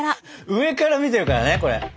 上から見てるからねこれ。